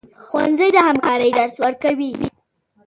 ښوونځی د همکارۍ درس ورکوي